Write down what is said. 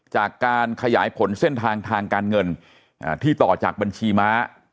จากการขยายผลเส้นทางทางการเงินที่ต่อจากบัญชีม้า